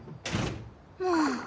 もう。